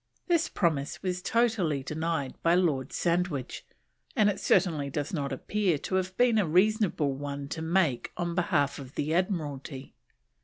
This promise was totally denied by Lord Sandwich, and it certainly does not appear to have been a reasonable one to make on behalf of the Admiralty.